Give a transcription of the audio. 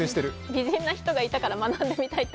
美人な人がいたから学んでみたいって。